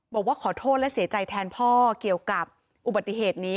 บอกว่าขอโทษและเสียใจแทนพ่อเกี่ยวกับอุบัติเหตุนี้